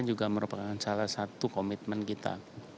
juga merupakan salah satu komitmen kita